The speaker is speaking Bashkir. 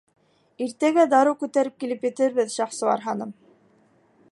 — Иртәгә дарыу күтәреп килеп етербеҙ, Шахсуар ханым.